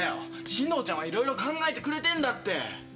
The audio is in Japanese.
進藤ちゃんはいろいろ考えてくれてんだって。